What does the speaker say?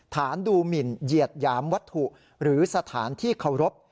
ดูหมินเหยียดหยามวัตถุหรือสถานที่เคารพ